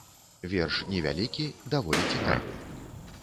Верш невялікі, даволі цікавы.